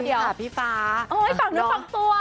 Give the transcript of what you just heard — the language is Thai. เอ้ยฝั่งเนื้อฝั่งตัว